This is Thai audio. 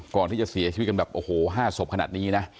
ก่อนที่จะเสียชีวิตกันแบบโอ้โห๕ศพขนาดนี้นะ